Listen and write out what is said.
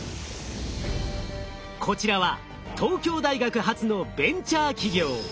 こちらは東京大学発のベンチャー企業。